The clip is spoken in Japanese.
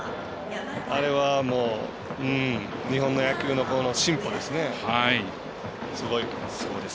あれは日本の野球の進歩ですね。